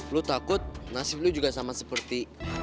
lu takut nasib lu juga sama seperti